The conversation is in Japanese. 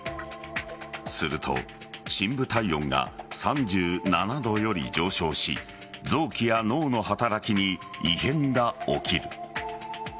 すると深部体温が３７度より上昇し臓器や脳の働きに異変が起きる。